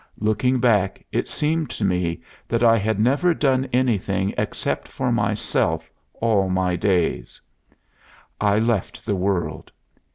Looking back, it seemed to me that I had never done anything except for myself all my days. I left the world.